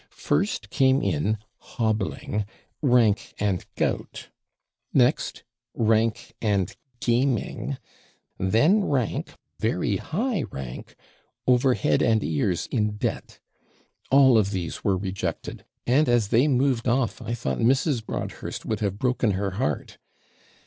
First came in, hobbling, rank and gout; next, rank and gaming; then rank, Very high rank, over head and ears in debt. All of these were rejected; and, as they moved off; I thought Mrs. Broadhurst would have broken her heart.